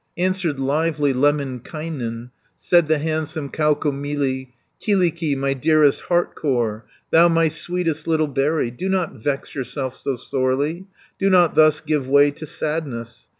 Answered lively Lemminkainen, Said the handsome Kaukomieli: "Kyllikki, my dearest heart core, Thou my sweetest little berry, Do not vex yourself so sorely, Do not thus give way to sadness.